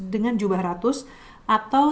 dengan jubah ratus atau